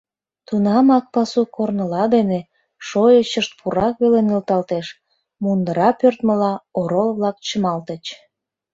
Тунамак пасу корныла дене — шойычышт пурак веле нӧлталалтеш, — мундыра пӧрдмыла, орол-влак чымалтыч.